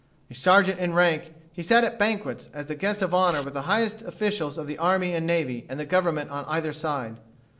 A sergeant in rank, he sat at banquets as the guest of honor with the highest officials of the Army and Navy and the Government on either side.